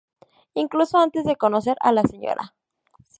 Incluso antes de conocer a la Sra.